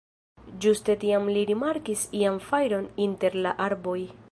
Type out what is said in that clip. Ĝuste tiam li rimarkis ian fajron inter la arboj.